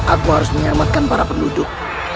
aku harus menyelamatkan para penduduk